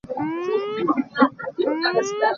Thil tamtuk na ngen hna ahcun an i lawm lai lo.